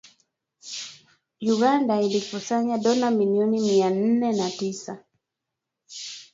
Uganda ilikusanya dola milioni mia nne na tisa